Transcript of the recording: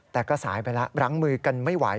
แต่ก็สายไปแล้วรั้งมือกันไม่ไหว